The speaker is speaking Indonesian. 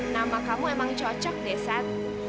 nama kamu emang cocok deh saat